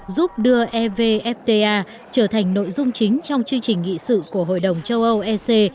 giúp đưa evfta trở thành nội dung chính trong chương trình nghị sự của hội đồng châu âu ec